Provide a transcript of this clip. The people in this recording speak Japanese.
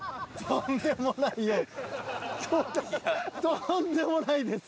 とんでもないです。